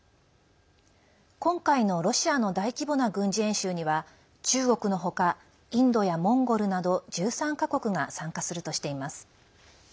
今回のロシアの大規模な軍事演習には中国の他、インドやモンゴルなど１３か国が参加するとしています。